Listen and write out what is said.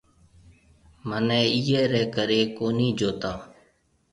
مھنيَ اِيئي رَي ڪري ڪونھيَََ جوتا۔